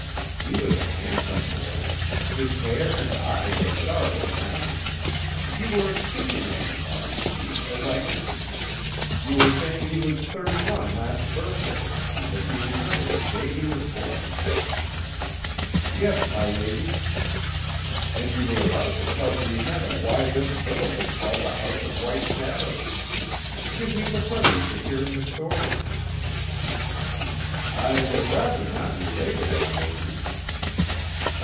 "He was a handsome boy. His hair and eyes are darker now. You were speaking of him, Mother Denise, as I entered. You were saying he was thirty one last birthday, and that you remember the day he was born." "Yes, my lady." "And you were about to tell Dionetta why this villa was called the House of White Shadows. Give me the privilege of hearing the story." "I would rather not relate it, my lady."